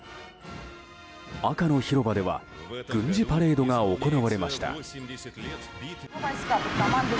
赤の広場では軍事パレードが行われました。